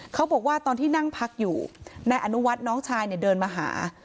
เขาบอกว่าตอนที่นั่งพักอยู่นายอนุวัฒน์น้องชายเนี่ยเดินมาหา